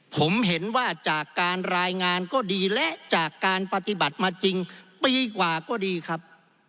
ผมเห็นว่าจากการรายงานก็ดีและจากการปฏิบัติมาจริงปีกว่าก็ดีครับ